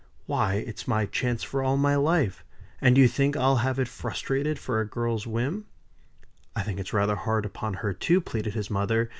Why! it's my chance for all my life; and do you think I'll have it frustrated for a girl's whim?" "I think it's rather hard upon her too," pleaded his mother.